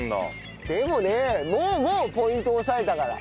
でもねもうポイントを押さえたから。